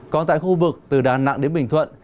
còn tại khu vực từ đà nẵng đến bình thuận